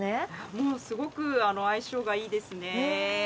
もうすごく相性がいいですね。